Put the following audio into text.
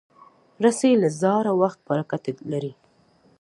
رسۍ له زاړه وخت برکته لري.